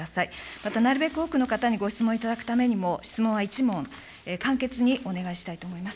また、なるべく多くの方にご質問を頂くためにも、質問は１問、簡潔にお願いしたいと思います。